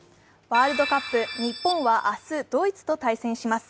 ワールドカップ、日本は明日、ドイツと対戦します。